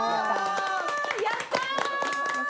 やったー！